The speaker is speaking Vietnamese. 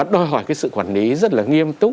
đòi hỏi cái sự quản lý rất là nghiêm túc